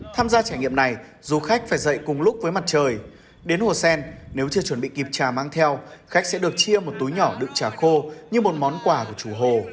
tham gia trải nghiệm này du khách phải dậy cùng lúc với mặt trời đến hồ sen nếu chưa chuẩn bị kịp trà mang theo khách sẽ được chia một túi nhỏ đựng trà khô như một món quà của chủ hồ